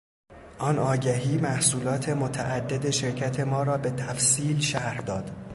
آن آگهی محصولات متعدد شرکت ما را به تفصیل شرح داد.